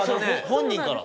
本人から？